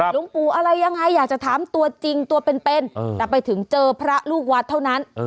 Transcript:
หลวงปู่อะไรยังไงอยากจะถามตัวจริงตัวเป็นแต่ไปถึงเจอพระลูกวัดเท่านั้น